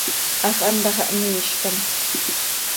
Hax antá xah miizcam.